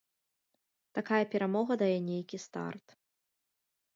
Такая перамога дае нейкі старт.